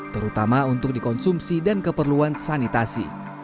terutama untuk dikonsumsi dan keperluan sanitasi